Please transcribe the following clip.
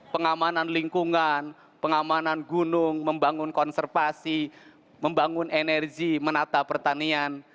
pengamanan lingkungan pengamanan gunung membangun konservasi membangun energi menata pertanian